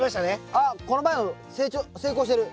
あっこの前の成功してる。